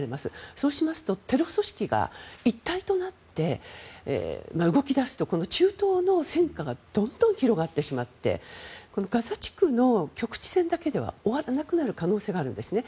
そうしますとテロ組織が一体となって動き出すと、中東の戦火がどんどん広がってしまってこのガザ地区の局地戦だけでは終わらなくなる可能性があるんですね。